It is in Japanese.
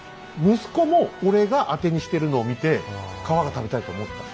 息子も俺がアテにしてるのを見て皮が食べたいと思った。